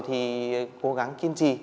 thì cố gắng kiên trì